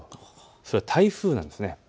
それは台風なんです。